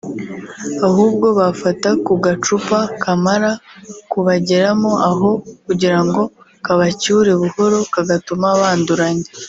ahubwo bafata ku gacupa kamara kubageramo aho kugirango kabacyure buhoro kagatuma banduranya